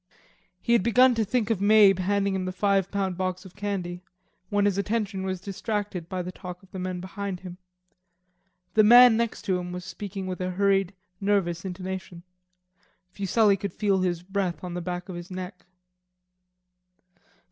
He had begun to think of Mabe handing him the five pound box of candy when his attention was distracted by the talk of the men behind him. The man next to him was speaking with hurried nervous intonation. Fuselli could feel his breath on the back of his neck.